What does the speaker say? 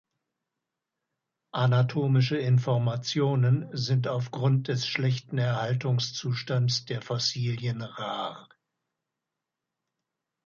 Anatomische Informationen sind aufgrund des schlechten Erhaltungszustands der Fossilien rar.